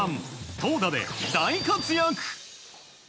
投打で大活躍。